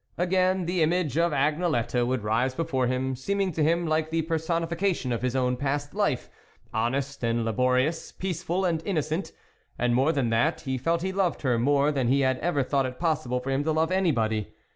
Again the image of Agnelette would rise before him, seeming to him like the personifica tion of his own past life, honest and labor ious, peaceful and innocent. And more than that, he felt he loved her more than he had ever thought it possible for him to love anybody.